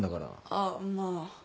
あっまあ。